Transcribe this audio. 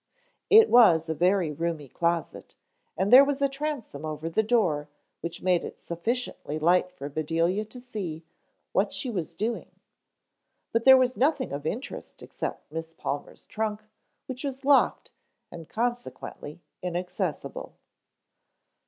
It was a very roomy closet and there was a transom over the door which made it sufficiently light for Bedelia to see what she was doing. But there was nothing of interest except Miss Palmer's trunk which was locked and consequently inaccessible.